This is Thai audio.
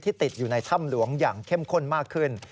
ติดอยู่ในถ้ำหลวงอย่างเข้มข้นมากขึ้น